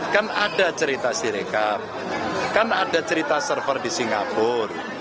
kan ada cerita sirekap kan ada cerita server di singapura